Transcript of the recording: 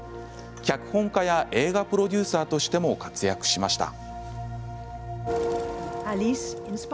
脚本家や映画プロデューサーとしても活躍しました。